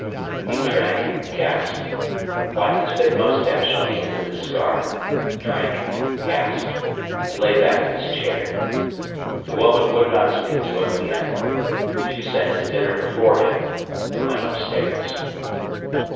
He drank, gasped, wiped his big moustache on the end of his scarf, drank, gasped, and lay back in his chair. The woman would not speak to him again. She set his dinner before him, and went upstairs.